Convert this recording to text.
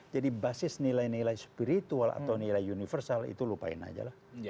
jadi basis nilai nilai spiritual atau nilai universal itu lupain aja lah